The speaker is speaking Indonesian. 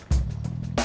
tunggu nanti aja